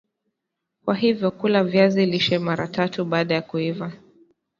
Kwa hivyo kula viazi lishe mara tu baada ya kuiva